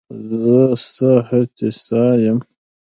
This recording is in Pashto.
زه ستا هڅې ستایم.